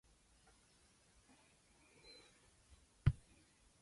Some reviewers described it as "gloriously colorful" and praised the animated film.